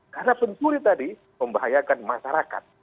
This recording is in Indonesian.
karena pencuri tadi membahayakan masyarakat